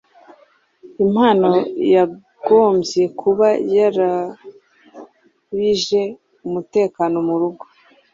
impano yagombye kuba yaraubije umutekano murugo.